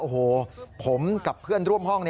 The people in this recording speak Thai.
โอ้โหผมกับเพื่อนร่วมห้อง